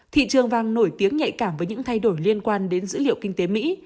thị trường vàng nổi tiếng nhạy cảm với những thay đổi liên quan đến dữ liệu kinh tế mỹ